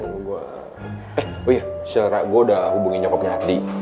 eh oh iya siara gue udah hubungin nyokapnya ardi